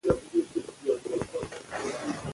زه هڅه کوم، چي ښه زدهکوونکی واوسم.